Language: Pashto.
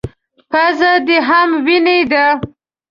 _پزه دې هم وينې ده.